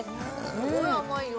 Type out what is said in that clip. すごい甘いよ